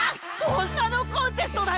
女のコンテストだよな！